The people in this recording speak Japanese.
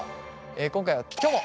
今回はきょも。